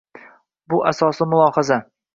Bu asosli mulohaza